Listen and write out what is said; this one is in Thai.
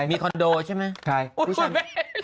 มีคอนโดหรอใช่ไหม